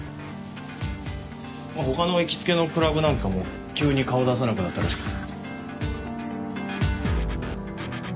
他の行きつけのクラブなんかも急に顔を出さなくなったらしくて。